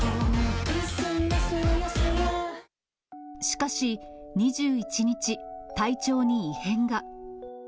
しかし、２１日、体調に異変が。